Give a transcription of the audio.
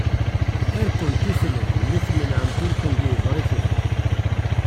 Ay kent-ifnan mi tmenεemt ur kent-yeḍri kra.